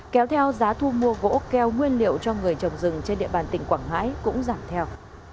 kéo theo giá thu mua gỗ keo nguyên liệu cho người trồng rừng trên địa bàn tỉnh quảng ngãi cũng giảm theo